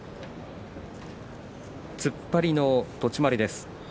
突っ張りの栃丸です。